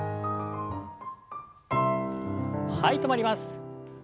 はい止まります。